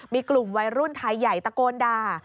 มีกลุ่มวัยรุ่นไทยใหญ่ตะโกนด่า